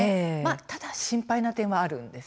ただ、心配な点はあるんです。